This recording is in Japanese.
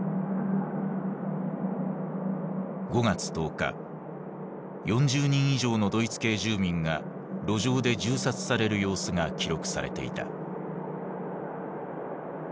５月１０日４０人以上のドイツ系住民が路上で銃殺される様子が記録されていた。